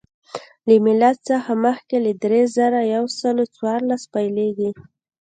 له میلاد څخه مخکې له درې زره یو سل څوارلس پیلېږي